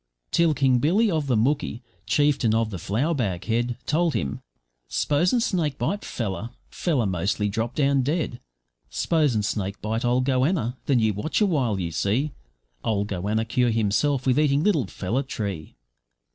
Till King Billy, of the Mooki, chieftain of the flour bag head, Told him, `Spos'n snake bite pfeller, pfeller mostly drop down dead; Spos'n snake bite old goanna, then you watch a while you see, Old goanna cure himself with eating little pfeller tree.'